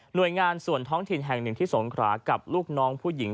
โดยงานส่วนท้องถิ่นแห่งหนึ่งที่สงขรากับลูกน้องผู้หญิง